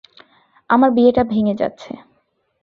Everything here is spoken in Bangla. আমার বিয়েটা ভেঙে যাচ্ছে।